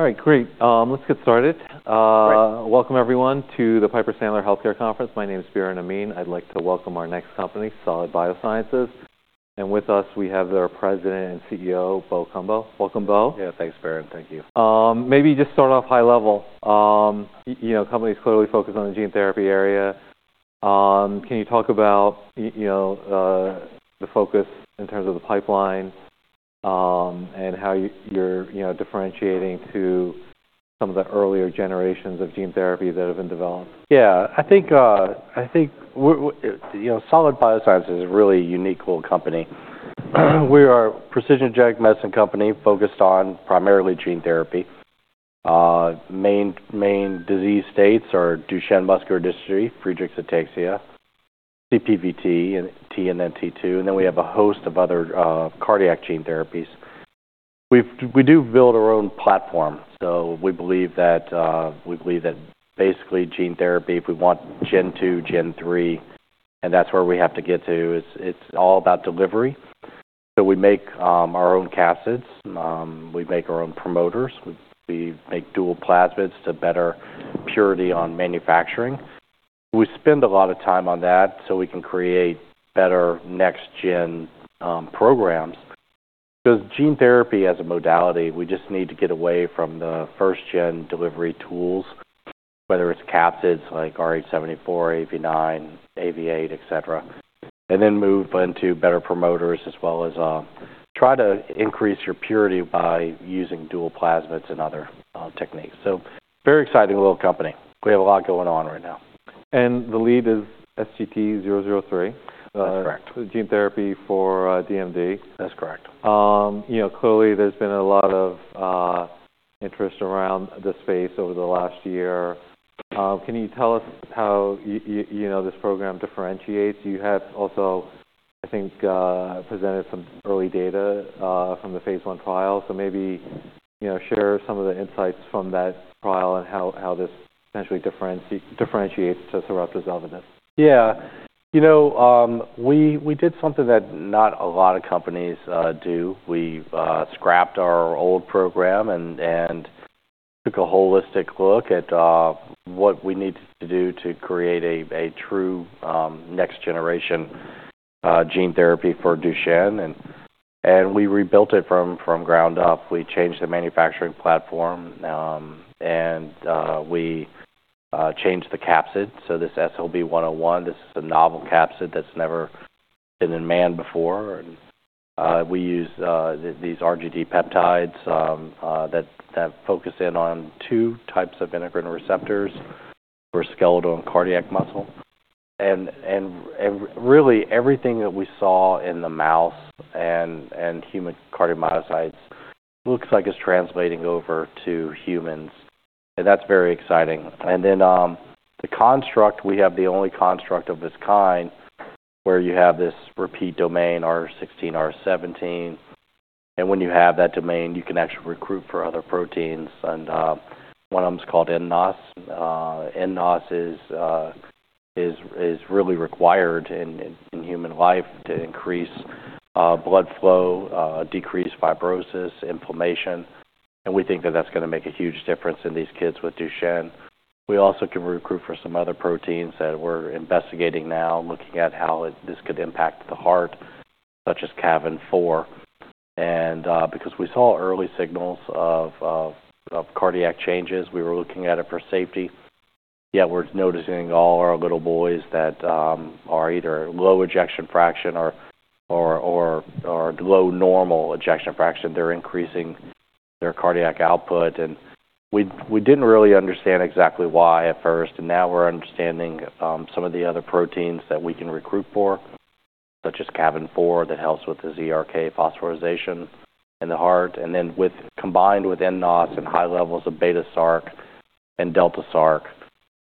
All right. Great. Let's get started. Great. Welcome everyone to the Piper Sandler Healthcare Conference. My name's Biren Amin. I'd like to welcome our next company, Solid Biosciences. With us, we have their President and CEO, Bo Cumbo. Welcome, Bo. Yeah. Thanks, Biren. Thank you. Maybe just start off high level. You know, companies clearly focus on the gene therapy area. Can you talk about, you know, the focus in terms of the pipeline, and how you're, you know, differentiating to some of the earlier generations of gene therapy that have been developed? Yeah. I think, I think, you know, Solid Biosciences is a really unique little company. We are a precision inject medicine company focused on primarily gene therapy. Main, main disease states are Duchenne muscular dystrophy, Friedreich's ataxia, CPVT, and TNNT2. And then we have a host of other cardiac gene therapies. We do build our own platform. We believe that, we believe that basically gene therapy, if we want Gen2, Gen3, and that's where we have to get to, it's all about delivery. We make our own capsids. We make our own promoters. We make dual plasmids to better purity on manufacturing. We spend a lot of time on that so we can create better next-gen programs. 'Cause gene therapy as a modality, we just need to get away from the first-gen delivery tools, whether it's capsids like rh74, AAV9, AAV8, etc., and then move on to better promoters as well as, try to increase your purity by using dual plasmids and other, techniques. Very exciting little company. We have a lot going on right now. The lead is SGT-003. That's correct. The gene therapy for DMD. That's correct. You know, clearly there's been a lot of interest around the space over the last year. Can you tell us how, you know, this program differentiates? You have also, I think, presented some early data from the phase I trial. Maybe, you know, share some of the insights from that trial and how this essentially differentiates to Sarepta's ELEVIDYS. Yeah. You know, we did something that not a lot of companies do. We've scrapped our old program and took a holistic look at what we need to do to create a true next-generation gene therapy for Duchenne. We rebuilt it from ground up. We changed the manufacturing platform, and we changed the capsid. So this SLB101, this is a novel capsid that's never been in man before. We use these RGD peptides that focus in on two types of integrin receptors for skeletal and cardiac muscle. Really everything that we saw in the mouse and human cardiomyocytes looks like it's translating over to humans. That's very exciting. The construct, we have the only construct of this kind where you have this repeat domain R16, R17. When you have that domain, you can actually recruit for other proteins. One of them's called nNOS. nNOS is really required in human life to increase blood flow, decrease fibrosis, inflammation. We think that that's gonna make a huge difference in these kids with Duchenne. We also can recruit for some other proteins that we're investigating now, looking at how this could impact the heart, such as cavin-4. Because we saw early signals of cardiac changes, we were looking at it for safety. Yet we're noticing all our little boys that are either low ejection fraction or low normal ejection fraction, they're increasing their cardiac output. We didn't really understand exactly why at first. Now we're understanding some of the other proteins that we can recruit for, such as cavin-4 that helps with the ERK phosphorylation in the heart. Then combined with nNOS and high levels of beta-sarcoglycan and delta-sarcoglycan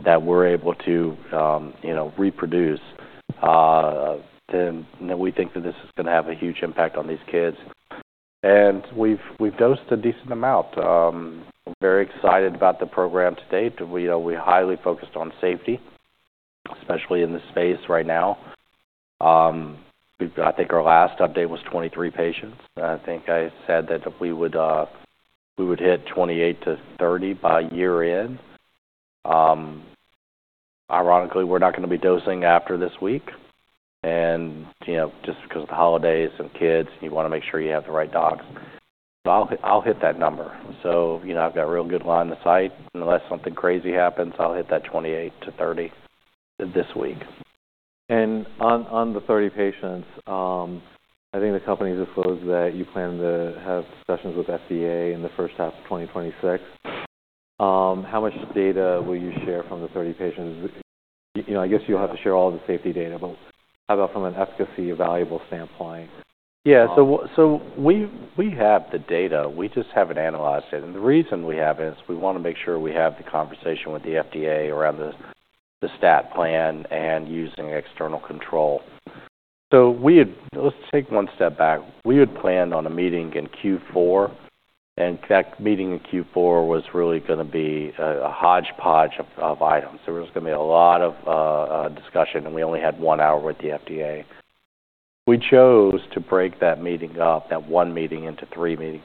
that we're able to, you know, reproduce, we think that this is gonna have a huge impact on these kids. We've dosed a decent amount. We're very excited about the program to date. We, you know, we are highly focused on safety, especially in this space right now. I think our last update was 23 patients. I think I said that we would hit 28-30 by year end. Ironically, we're not gonna be dosing after this week, you know, just because of the holidays and kids. You want to make sure you have the right docs. I'll hit that number. You know, I've got a real good line of sight. Unless something crazy happens, I'll hit that 28-30 this week. On the 30 patients, I think the company disclosed that you plan to have sessions with FDA in the first half of 2026. How much data will you share from the 30 patients? You know, I guess you'll have to share all the safety data, but how about from an efficacy valuable standpoint? Yeah. We have the data. We just haven't analyzed it. The reason we have is we wanna make sure we have the conversation with the FDA around the stat plan and using external control. Let's take one step back. We had planned on a meeting in Q4. That meeting in Q4 was really gonna be a hodgepodge of items. There was gonna be a lot of discussion. We only had one hour with the FDA. We chose to break that meeting up, that one meeting into three meetings.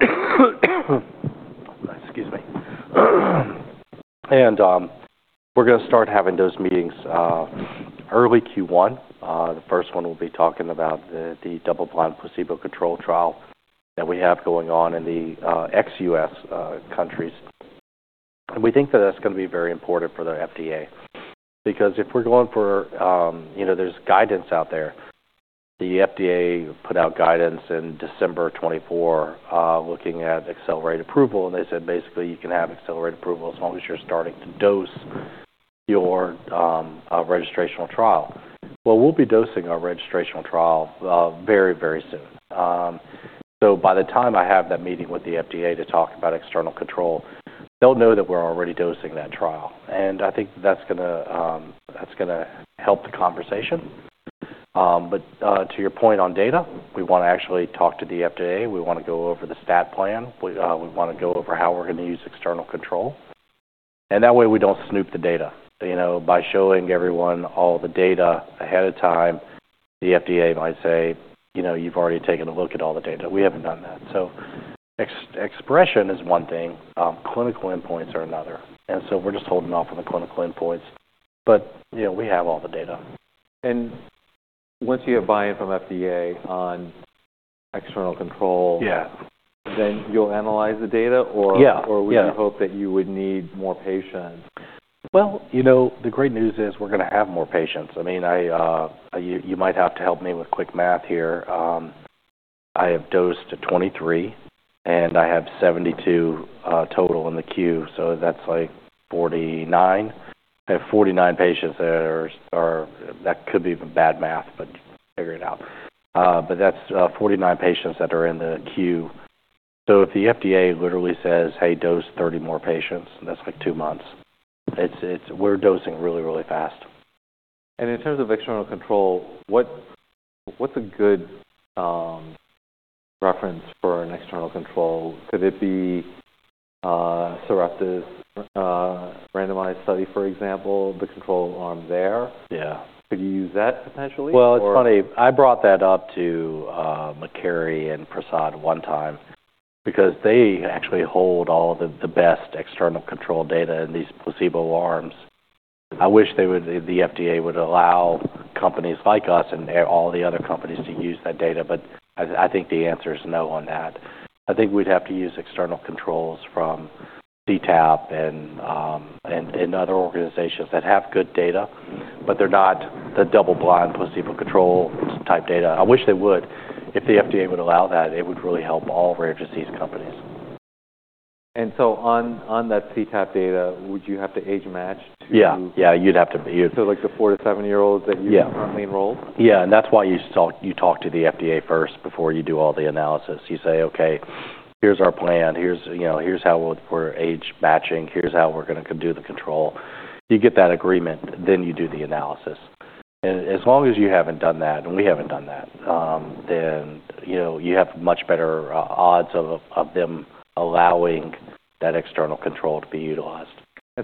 Excuse me. We're gonna start having those meetings early Q1. The first one we'll be talking about the double-blind placebo control trial that we have going on in the ex-U.S. countries. We think that that's gonna be very important for the FDA because if we're going for, you know, there's guidance out there. The FDA put out guidance in December 2024, looking at accelerated approval. They said basically you can have accelerated approval as long as you're starting to dose your registrational trial. We'll be dosing our registrational trial very, very soon. By the time I have that meeting with the FDA to talk about external control, they'll know that we're already dosing that trial. I think that's gonna help the conversation. To your point on data, we wanna actually talk to the FDA. We wanna go over the stat plan. We wanna go over how we're gonna use external control. That way we don't snoop the data. You know, by showing everyone all the data ahead of time, the FDA might say, you know, you've already taken a look at all the data. We haven't done that. Ex-expression is one thing. Clinical endpoints are another. You know, we're just holding off on the clinical endpoints. But, you know, we have all the data. Once you have buy-in from FDA on external control. Yeah. You will analyze the data or. Yeah. Would you hope that you would need more patients? You know, the great news is we're gonna have more patients. I mean, you might have to help me with quick math here. I have dosed 23. And I have 72, total in the queue. That's like 49. I have 49 patients that are, are that could be even bad math, but figure it out. That's 49 patients that are in the queue. If the FDA literally says, "Hey, dose 30 more patients," that's like two months. It's, it's we're dosing really, really fast. In terms of external control, what, what's a good reference for an external control? Could it be Sarepta's randomized study, for example, the control arm there? Yeah. Could you use that potentially? It's funny. I brought that up to McCary and Prasad one time because they actually hold all the best external control data in these placebo arms. I wish the FDA would allow companies like us and all the other companies to use that data. I think the answer is no on that. I think we'd have to use external controls from C-TAP and other organizations that have good data, but they're not the double-blind placebo control type data. I wish they would. If the FDA would allow that, it would really help all rare disease companies. On that C-TAP data, would you have to age match too? Yeah. Yeah. You'd have to be. Like the four to seven-year-olds that you're. Yeah. Currently enrolled? Yeah. That is why you talk to the FDA first before you do all the analysis. You say, "Okay. Here is our plan. Here is, you know, here is how we are, we are age matching. Here is how we are gonna do the control." You get that agreement, then you do the analysis. As long as you have not done that, and we have not done that, then, you know, you have much better odds of them allowing that external control to be utilized.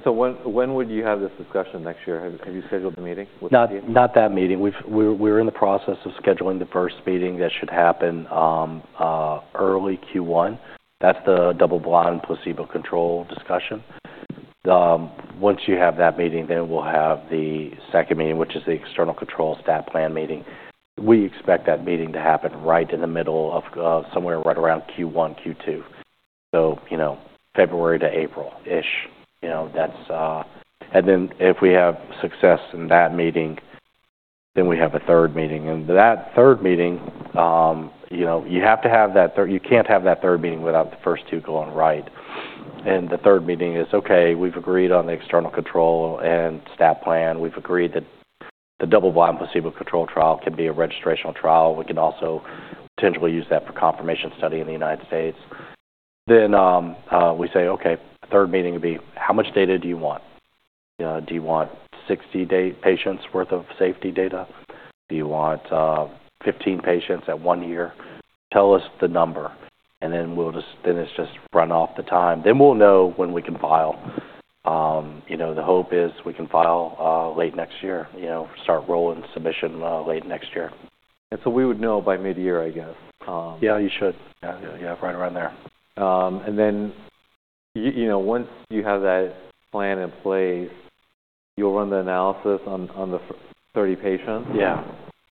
When would you have this discussion next year? Have you scheduled the meeting with the FDA? Not, not that meeting. We've, we're, we're in the process of scheduling the first meeting that should happen, early Q1. That's the double-blind placebo control discussion. Once you have that meeting, then we'll have the second meeting, which is the external control stat plan meeting. We expect that meeting to happen right in the middle of, of somewhere right around Q1, Q2. You know, February to April-ish. You know, that's, and then if we have success in that meeting, then we have a third meeting. That third meeting, you know, you have to have that, you can't have that third meeting without the first two going right. The third meeting is, "Okay. We've agreed on the external control and stat plan. We've agreed that the double-blind placebo control trial can be a registrational trial. We can also potentially use that for confirmation study in the United States. Then, we say, "Okay. Third meeting would be, how much data do you want? You know, do you want 60 day patients' worth of safety data? Do you want, 15 patients at one year? Tell us the number." Then we'll just run off the time. Then we'll know when we can file. You know, the hope is we can file, late next year, you know, start rolling submission, late next year. We would know by mid-year, I guess. Yeah. You should. Yeah. Right around there. and then you know, once you have that plan in place, you'll run the analysis on, on the thirty patients. Yeah.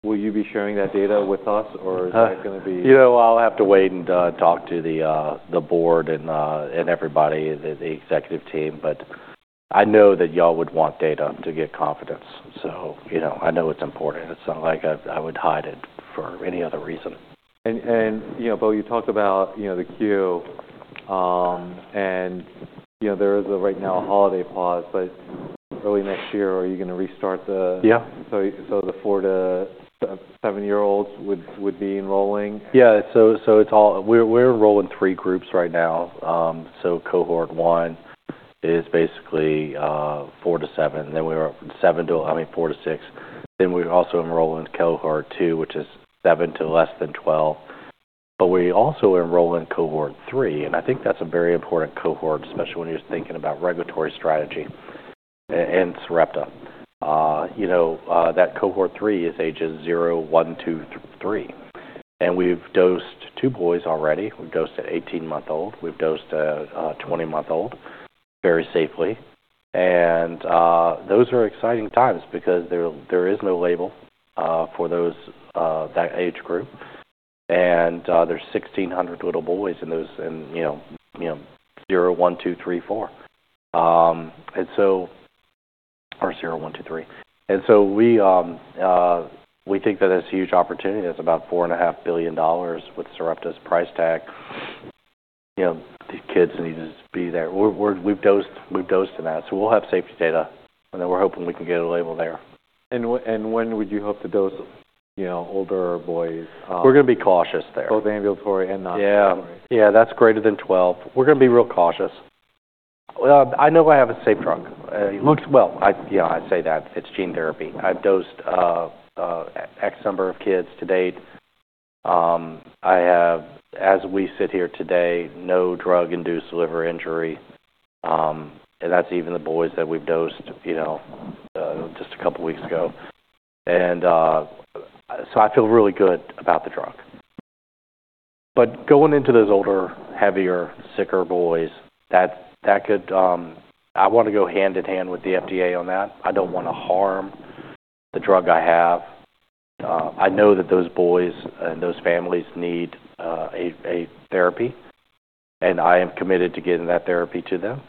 Will you be sharing that data with us or is that gonna be? You know, I'll have to wait and talk to the board and everybody in the executive team. I know that y'all would want data to get confidence. You know, I know it's important. It's not like I would hide it for any other reason. You know, Bo, you talked about, you know, the queue. You know, there is right now a holiday pause. Early next year, are you gonna restart the? Yeah. The four to seven-year-olds would, would be enrolling? Yeah. So it's all we're enrolling three groups right now. Cohort one is basically four to seven. Then we're, I mean, four to six. Then we're also enrolling cohort two, which is seven to less than 12. We also enroll in cohort three. I think that's a very important cohort, especially when you're thinking about regulatory strategy and Sarepta. You know, that cohort three is ages 0, 1, 2, 3. We've dosed two boys already. We've dosed an 18-month-old. We've dosed a 20-month-old very safely. Those are exciting times because there is no label for that age group. There's 1,600 little boys in those, you know, 0, 1, 2, 3, 4, and so, or 0, 1, 2, 3. We think that that's a huge opportunity. That's about $4.5 billion with Sarepta's price tag. You know, the kids need to be there. We've dosed in that. So we'll have safety data. And then we're hoping we can get a label there. And when would you hope to dose, you know, older boys? We're gonna be cautious there. Both ambulatory and non-ambulatory? Yeah. Yeah. That's greater than 12. We're gonna be real cautious. I know I have a safe drug. It looks well. I, yeah. I say that. It's gene therapy. I've dosed, X number of kids to date. I have, as we sit here today, no drug-induced liver injury. That's even the boys that we've dosed, you know, just a couple weeks ago. I feel really good about the drug. Going into those older, heavier, sicker boys, that could, I wanna go hand in hand with the FDA on that. I don't wanna harm the drug I have. I know that those boys and those families need a therapy. I am committed to getting that therapy to them.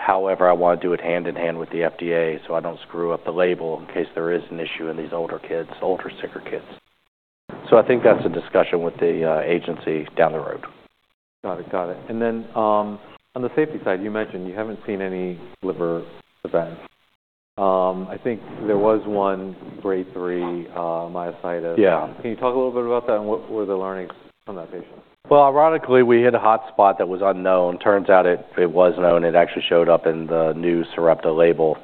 However, I wanna do it hand in hand with the FDA so I don't screw up the label in case there is an issue in these older kids, older, sicker kids. I think that's a discussion with the agency down the road. Got it. Got it. On the safety side, you mentioned you haven't seen any liver events. I think there was one grade three myositis. Yeah. Can you talk a little bit about that and what were the learnings from that patient? Ironically, we hit a hotspot that was unknown. Turns out it was known. It actually showed up in the new Sarepta label,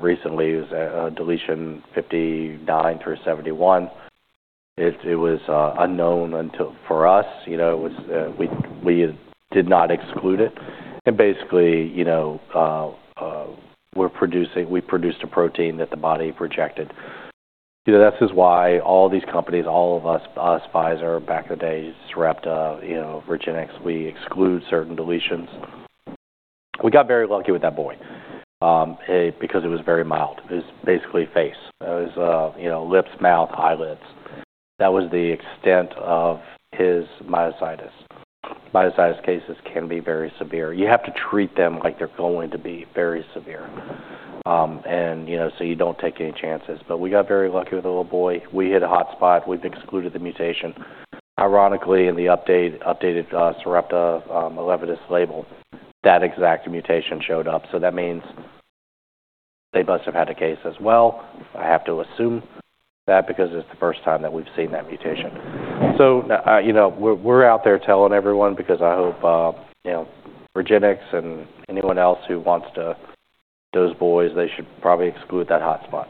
recently. It was deletion 59 through 71. It was unknown until for us. You know, we did not exclude it. And basically, you know, we're producing, we produced a protein that the body rejected. You know, that's just why all these companies, all of us, us, Pfizer back in the day, Sarepta, you know, REGENXBIO, we exclude certain deletions. We got very lucky with that boy, because it was very mild. It was basically face. It was, you know, lips, mouth, eyelids. That was the extent of his myositis. Myositis cases can be very severe. You have to treat them like they're going to be very severe. You know, so you don't take any chances. We got very lucky with the little boy. We hit a hotspot. We've excluded the mutation. Ironically, in the updated Sarepta 11, that exact mutation showed up. That means they must have had a case as well. I have to assume that because it's the first time that we've seen that mutation. You know, we're out there telling everyone because I hope, you know, REGENXBIO and anyone else who wants to treat those boys, they should probably exclude that hotspot.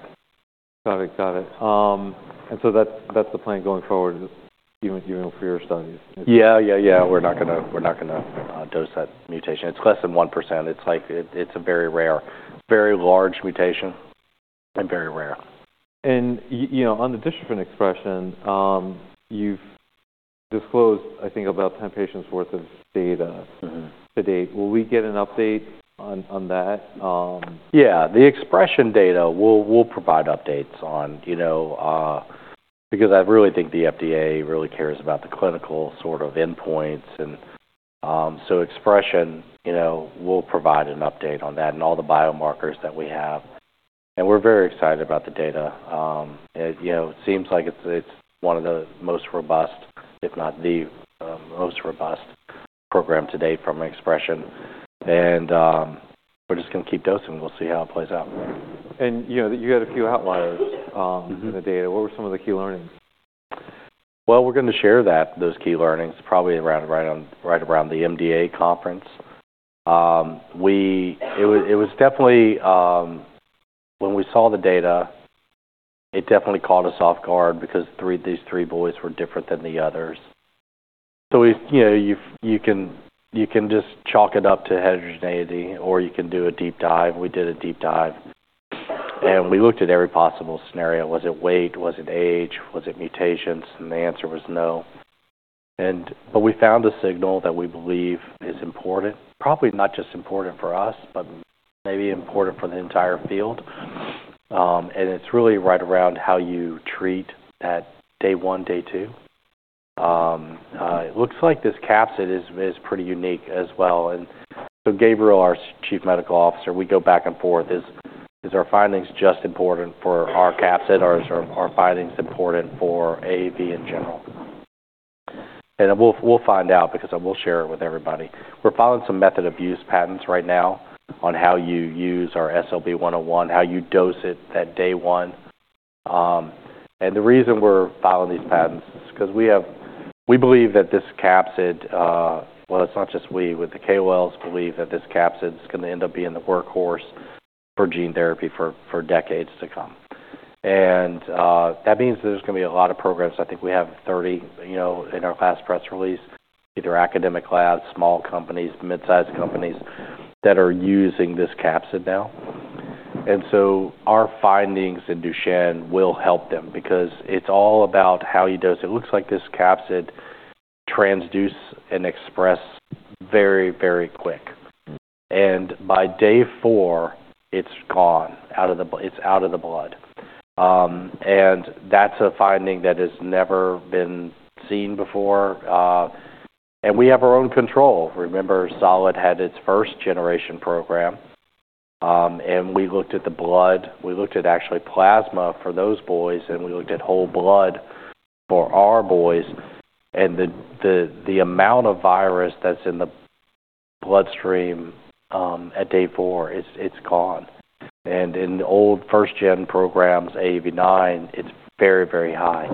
Got it. Got it. And so that's, that's the plan going forward, even, even for your studies? Yeah. Yeah. Yeah. We're not gonna dose that mutation. It's less than 1%. It's like, it's a very rare, very large mutation and very rare. You know, on the discipline expression, you've disclosed, I think, about 10 patients' worth of data. Mm-hmm. To date, will we get an update on that? Yeah. The expression data, we'll provide updates on, you know, because I really think the FDA really cares about the clinical sort of endpoints. Expression, you know, we'll provide an update on that and all the biomarkers that we have. We're very excited about the data. It, you know, it seems like it's one of the most robust, if not the most robust program to date from expression. We're just gonna keep dosing. We'll see how it plays out. You know, you had a few outliers. Mm-hmm. In the data. What were some of the key learnings? We're gonna share that, those key learnings, probably right around the MDA conference. It was definitely, when we saw the data, it definitely caught us off guard because these three boys were different than the others. So, you know, you can just chalk it up to heterogeneity or you can do a deep dive. We did a deep dive. We looked at every possible scenario. Was it weight? Was it age? Was it mutations? The answer was no. We found a signal that we believe is important. Probably not just important for us, but maybe important for the entire field. It's really right around how you treat that day one, day two. It looks like this capsid is pretty unique as well. Gabriel, our Chief Medical Officer, we go back and forth. Is our findings just important for our capsid or is our findings important for AAV in general? We will find out because I will share it with everybody. We are following some method of use patents right now on how you use our SLB101, how you dose it that day one. The reason we are following these patents is because we have, we believe that this capsid, well, it is not just we. With the KOLs, believe that this capsid is going to end up being the workhorse for gene therapy for decades to come. That means there is going to be a lot of programs. I think we have 30, you know, in our last press release, either academic labs, small companies, mid-sized companies that are using this capsid now. Our findings in Duchenne will help them because it's all about how you dose. It looks like this capsid transduces and expresses very, very quick. By day four, it's out of the blood, and that's a finding that has never been seen before. We have our own control. Remember, Solid had its first generation program. We looked at the blood. We looked at actually plasma for those boys. We looked at whole blood for our boys. The amount of virus that's in the bloodstream, at day four, it's gone. In old first-gen programs, AAV9, it's very, very high.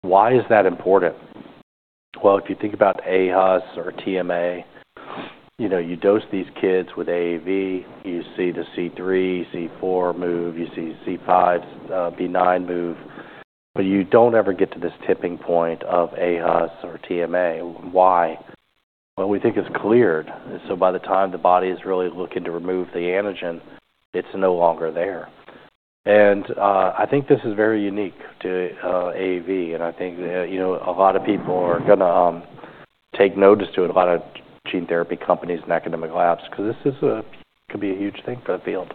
Why is that important? If you think about aHUS or TMA, you know, you dose these kids with AAV, you see the C3, C4 move, you see C5b-9 move. You do not ever get to this tipping point of aHUS or TMA. Why? We think it is cleared. By the time the body is really looking to remove the antigen, it is no longer there. I think this is very unique to AAV. I think a lot of people are gonna take notice to it, a lot of gene therapy companies and academic labs 'cause this could be a huge thing for the field.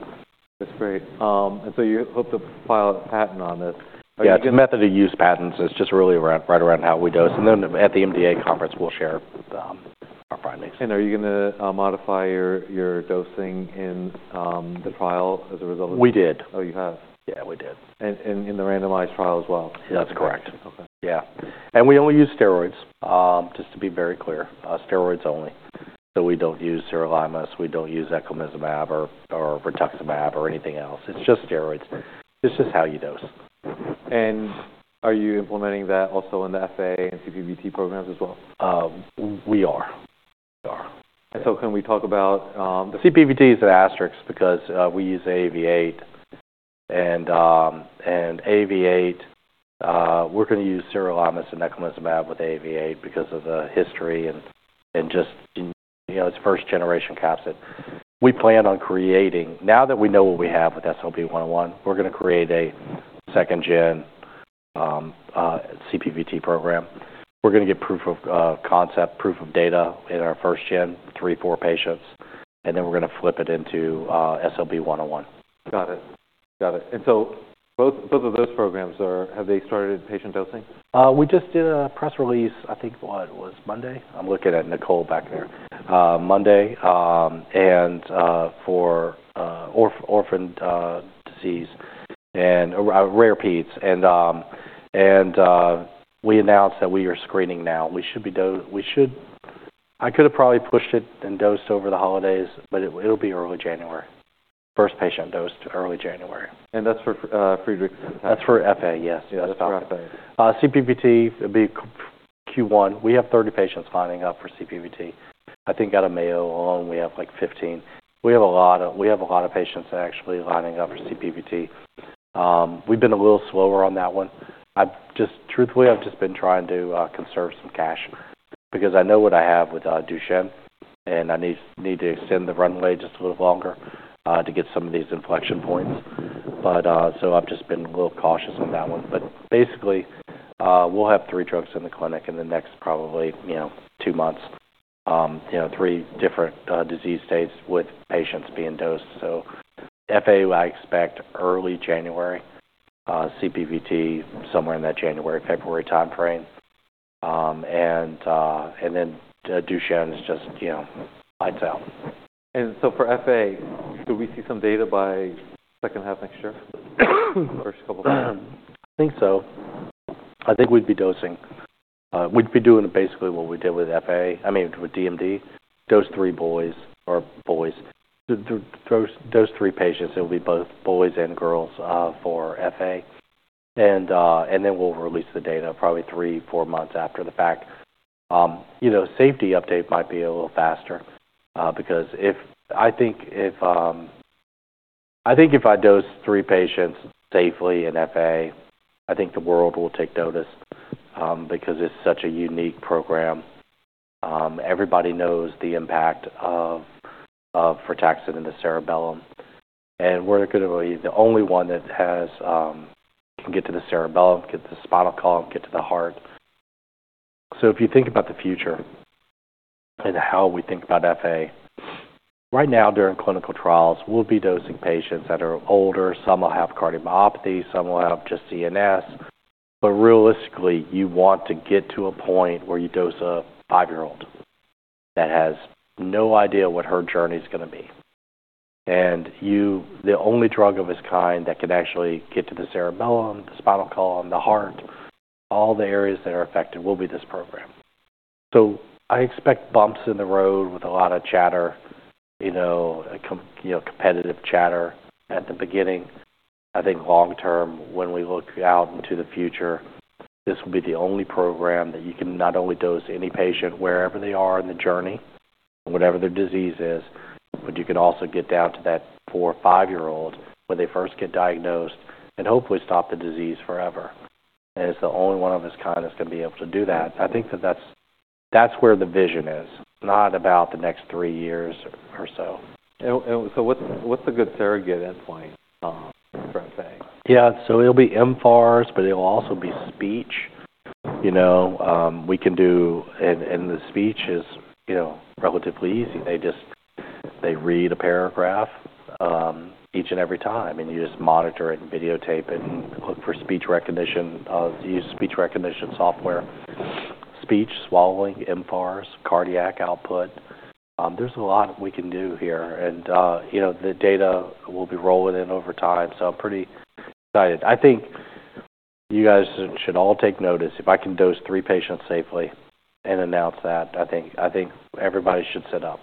That's great. And so you hope to file a patent on this. Yeah. It's method of use patents. It's just really around right around how we dose. At the MDA conference, we'll share our findings. Are you gonna modify your dosing in the trial as a result of this? We did. Oh, you have? Yeah. We did. And in the randomized trial as well? That's correct. Okay. Yeah. We only use steroids, just to be very clear. Steroids only. We do not use sirolimus. We do not use eculizumab or rituximab or anything else. It is just steroids. It is just how you dose. Are you implementing that also in the FA and CPVT programs as well? We are. We are. Can we talk about, the CPVT is an asterisk because we use AAV8. And AAV8, we're gonna use sirolimus and eculizumab with AAV8 because of the history and, and just, you know, it's first-generation capsid. We plan on creating now that we know what we have with SLB101, we're gonna create a second-gen CPVT program. We're gonna get proof of concept, proof of data in our first-gen, three, four patients. And then we're gonna flip it into SLB101. Got it. Got it. Both of those programs, have they started patient dosing? We just did a press release, I think, what was Monday? I'm looking at Nicole back there. Monday, for orphan disease and rare peds. We announced that we are screening now. We should be, I could have probably pushed it and dosed over the holidays, but it'll be early January. First patient dosed early January. That's for Friedreich's? That's for FA, yes. That's for FA. CPVT would be Q1. We have 30 patients lining up for CPVT. I think out of Mayo alone, we have like 15. We have a lot of patients actually lining up for CPVT. I've been a little slower on that one. I've just truthfully, I've just been trying to conserve some cash because I know what I have with Duchenne. And I need, need to extend the runway just a little longer, to get some of these inflection points. I've just been a little cautious on that one. Basically, we'll have three drugs in the clinic in the next probably, you know, two months, you know, three different disease states with patients being dosed. FA, I expect early January, CPVT somewhere in that January, February timeframe. And then Duchenne is just, you know, lights out. For FA, could we see some data by second half next year, first couple of months? I think so. I think we'd be dosing. We'd be doing basically what we did with FA. I mean, with DMD, dose three boys or boys. Dose three patients. It'll be both boys and girls, for FA. And then we'll release the data probably three, four months after the fact. You know, safety update might be a little faster, because if I think if, I think if I dose three patients safely in FA, I think the world will take notice, because it's such a unique program. Everybody knows the impact of rituximab in the cerebellum. And we're gonna be the only one that has, can get to the cerebellum, get to the spinal column, get to the heart. If you think about the future and how we think about FA, right now during clinical trials, we'll be dosing patients that are older. Some will have cardiomyopathy. Some will have just CNS. Realistically, you want to get to a point where you dose a five-year-old that has no idea what her journey's gonna be. You are the only drug of its kind that can actually get to the cerebellum, the spinal column, the heart, all the areas that are affected will be this program. I expect bumps in the road with a lot of chatter, you know, competitive chatter at the beginning. I think long-term, when we look out into the future, this will be the only program that you can not only dose any patient wherever they are in the journey, whatever their disease is, but you can also get down to that four or five-year-old when they first get diagnosed and hopefully stop the disease forever. It is the only one of its kind that's gonna be able to do that. I think that that's where the vision is, not about the next three years or so. What's a good surrogate endpoint, for FA? Yeah. It'll be mFARS, but it'll also be speech, you know. We can do, and the speech is, you know, relatively easy. They just read a paragraph, each and every time. You just monitor it and videotape it and look for speech recognition, use speech recognition software, speech, swallowing, mFARS, cardiac output. There's a lot we can do here. You know, the data will be rolling in over time. I'm pretty excited. I think you guys should all take notice. If I can dose three patients safely and announce that, I think everybody should sit up.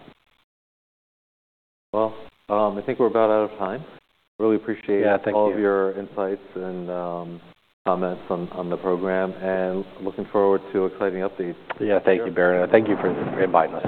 I think we're about out of time. Really appreciate. Yeah. Thank you. All of your insights and comments on the program. Looking forward to exciting updates. Yeah. Thank you, Biren. I thank you for inviting us.